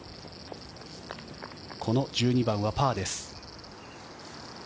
この１２番はパーです。